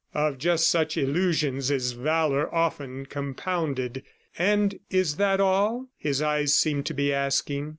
Of just such illusions is valor often compounded! ... "And is that all?" his eyes seemed to be asking.